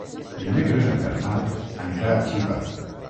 Dimecres en Bernat anirà a Xiva.